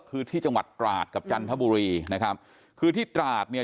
คือที่จังหวัดตราดกับจันทบุรีนะครับคือที่ตราดเนี่ย